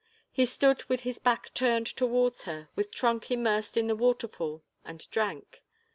He stood with his back turned towards her, with trunk immersed in the waterfall, and drank.